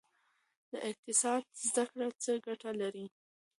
د اقتصاد زده کړه څه ګټه لري؟